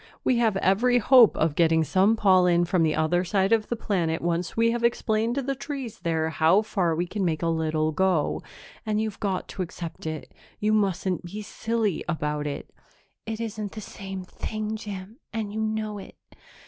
"We have every hope of getting some pollen from the other side of the planet once we have explained to the trees there how far we can make a little go, and you've got to accept it; you mustn't be silly about it." "It isn't the same thing, Jim, and you know it.